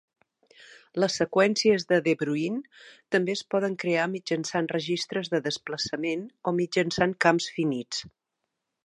Les seqüències de De Bruijn també es poden crear mitjançant registres de desplaçament o mitjançant camps finits.